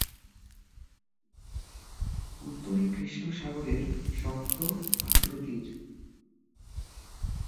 উত্তরে কৃষ্ণ সাগরের শক্ত পাথুরে তীর।